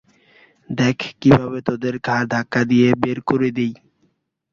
দেখ কিভাবে তোদের ঘাড় ধাক্কা দিয়ে বের করে দিই।